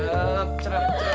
gak ada apa apanya